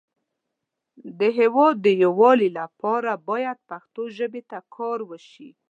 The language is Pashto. د هیواد د یو والی لپاره باید پښتو ژبې ته کار وشی